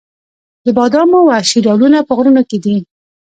د بادامو وحشي ډولونه په غرونو کې دي؟